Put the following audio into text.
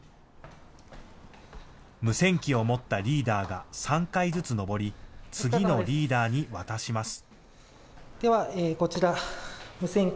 無線機を持ったリーダーが３階ずつ上り、次のリーダーに渡します。